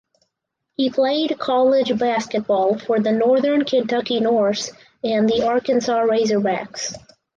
He played college basketball for the Northern Kentucky Norse and the Arkansas Razorbacks.